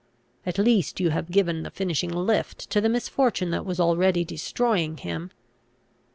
At least you have given the finishing lift to the misfortune that was already destroying him.